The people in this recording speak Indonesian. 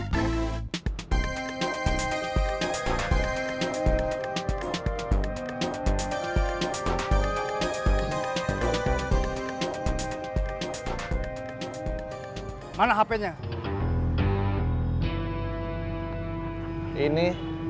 janganlah kita kembali